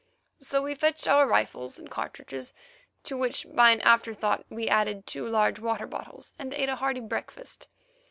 So we fetched our rifles and cartridges, to which by an afterthought we added two large water bottles, and ate a hearty breakfast.